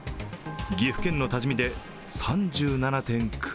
岐阜県の多治見で３７．９度。